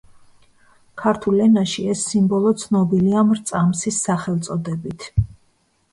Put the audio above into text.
ქართულ ენაში ეს სიმბოლო ცნობილია „მრწამსის“ სახელწოდებით.